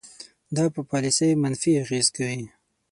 دا په پالیسۍ منفي اغیز کوي.